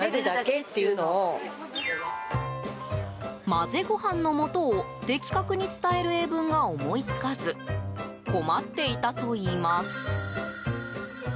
混ぜご飯のもとを的確に伝える英文が思いつかず困っていたといいます。